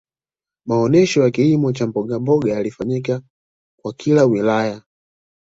maonesho ya kilimo cha mbogamboga yalifanyika kwa kila wilaya